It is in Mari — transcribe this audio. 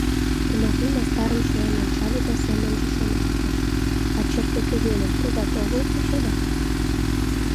Тымапи мастарым чоян ончале да семынже шоналтыш: «А черке кӧгӧным тудат огыл почеда?»